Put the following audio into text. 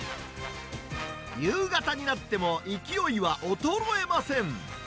夕方になっても勢いは衰えません。